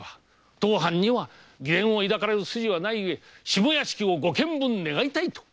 当藩は疑念を抱かれる筋はない故下屋敷をご検分願いたいと。